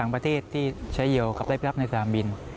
ต่างประเทศที่ใช้เหยียวกับเรียบรับในสถานบิน